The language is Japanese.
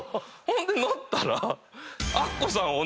ほんで乗ったら。